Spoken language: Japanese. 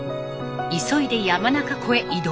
急いで山中湖へ移動。